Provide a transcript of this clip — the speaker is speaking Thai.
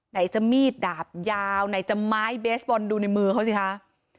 ไหนจะมีดดาบยาวไหนจะไม้เบสบอลดูในมือเขาสิคะ